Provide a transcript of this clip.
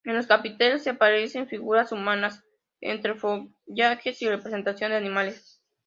En los capiteles se aprecian figuras humanas entre follaje y representación de animales.